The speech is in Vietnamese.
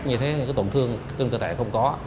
như thế cái tổn thương tương tự tại không có